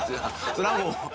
それはもう。